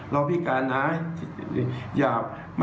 เราพิการนะ